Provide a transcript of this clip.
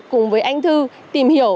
cùng với anh thư tìm hiểu